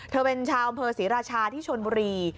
เธอเป็นชาวอำเภอศรีราชาที่ชนบุรี